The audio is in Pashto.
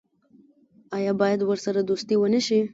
آیا باید ورسره دوستي ونشي؟